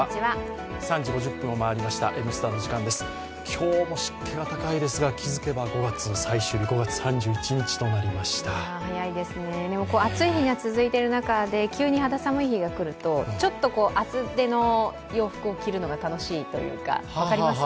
今日も湿気が高いですが気づけば５月最終日暑い日が続いている中で急に肌寒い日が来るとちょっと厚手の洋服を着るのが楽しいというか、分かります？